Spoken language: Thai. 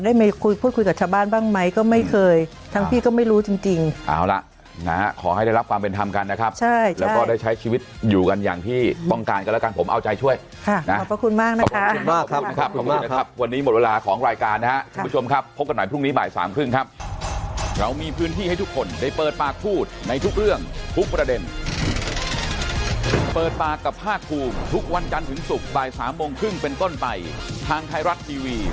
เอาใจช่วยค่ะขอบคุณมากนะคะขอบคุณมากครับขอบคุณมากครับวันนี้หมดเวลาของรายการนะฮะคุณผู้ชมครับพบกันหน่อยพรุ่งนี้บ่ายสามครึ่งครับ